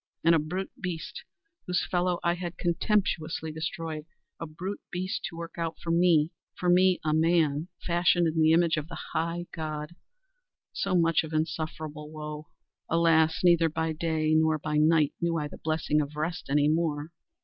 And _a brute beast _—whose fellow I had contemptuously destroyed—a brute beast to work out for me—for me a man, fashioned in the image of the High God—so much of insufferable woe! Alas! neither by day nor by night knew I the blessing of rest any more!